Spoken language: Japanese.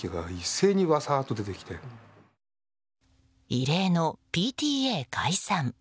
異例のＰＴＡ解散。